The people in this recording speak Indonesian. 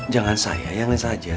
jangan saya yang ini saja